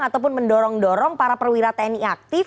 ataupun mendorong dorong para perwira tni aktif